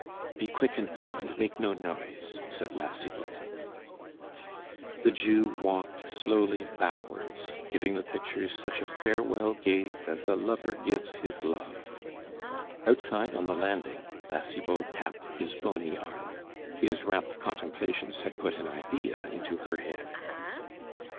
"Be quick and go, and make no noise," said La Cibot. The Jew walked slowly backwards, giving the pictures such a farewell gaze as a lover gives his love. Outside on the landing, La Cibot tapped his bony arm. His rapt contemplations had put an idea into her head.